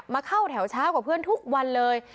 เข้าแถวเช้ากับเพื่อนทุกวันเลย